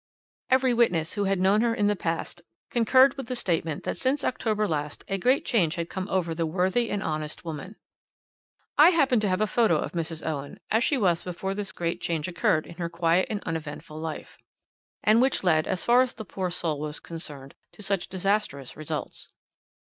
Every witness who had known her in the past concurred in the statement that since October last a great change had come over the worthy and honest woman. "I happen to have a photo of Mrs. Owen as she was before this great change occurred in her quiet and uneventful life, and which led, as far as the poor soul was concerned, to such disastrous results.